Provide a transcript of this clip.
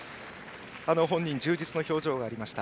本人、充実の表情がありました。